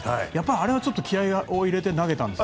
あれはちょっと気合を入れて投げたんですか？